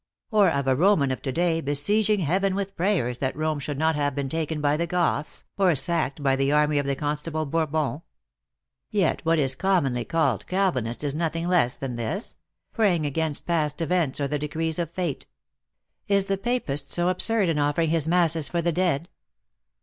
Or of a Roman of to day be sieging heaven with prayers that Rome should not have been taken by the Goths, or sacked by the army of the Constable Bourbon ? Yet what is commonly called Calvinist is nothing less than this ; praying against past events, or the decrees of fate. Is the papist so absurd in offering his masses for the dead